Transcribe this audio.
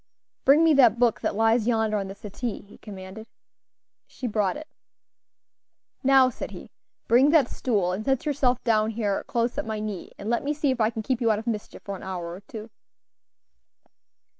"Bring me that book that lies yonder on the settee," he commanded. She brought it. "Now," said he, "bring that stool and set yourself down here close at my knee, and let me see if I can keep you out of mischief for an hour or two."